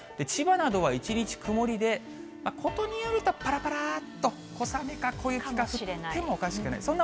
千葉などは一日曇りで、ことによると、ぱらぱらっと小雨か小雪が降ってもおかしくない。